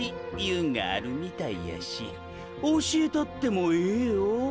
いうんがあるみたいやし教えたってもええよ。